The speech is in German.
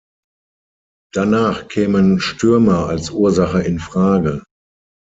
Danach kämen Stürme als Ursache infrage.